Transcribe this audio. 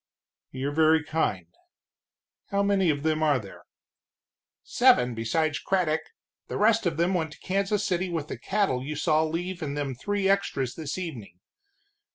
"You're very kind. How many of them are there?" "Seven besides Craddock, the rest of them went to Kansas City with the cattle you saw leave in them three extras this evening.